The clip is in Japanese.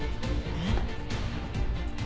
えっ？